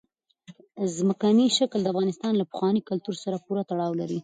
ځمکنی شکل د افغانستان له پخواني کلتور سره پوره تړاو لري.